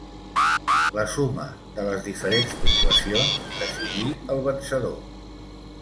La suma de les diferents puntuacions decidí el vencedor.